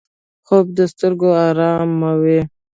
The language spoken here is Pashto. خوب د سترګو آراموي